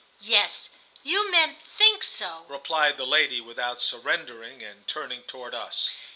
"Yes, you men think so," replied the lady, without surrendering, and turning toward us.